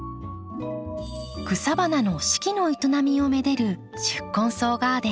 草花の四季の営みをめでる宿根草ガーデン。